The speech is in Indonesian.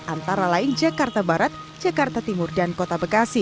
antara lain jakarta barat jakarta timur dan kota bekasi